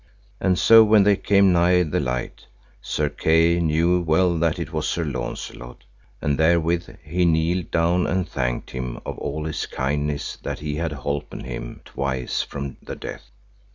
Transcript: And so when they came nigh the light, Sir Kay knew well that it was Sir Launcelot, and therewith he kneeled down and thanked him of all his kindness that he had holpen him twice from the death.